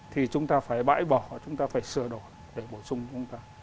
thì chúng ta phải bãi bỏ chúng ta phải sửa đổi để bổ sung chúng ta